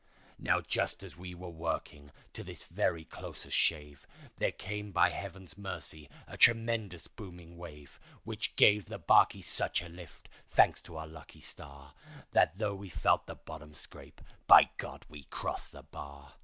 Now just as we were working to this very closest shave, There came by Heaven's mercy a tremendous booming wave, Which gave the barky such a lift, thanks to our lucky star, That though we felt the bottom scrape—by God we crossed the bar!